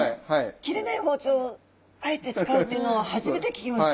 切れない包丁をあえて使うというのは初めて聞きました。